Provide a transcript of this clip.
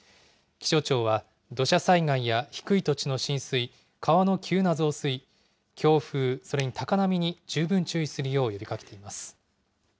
気象庁は、土砂災害や低い土地の浸水、川の急な増水、強風、それに高波に十分注意するよう呼びかけています。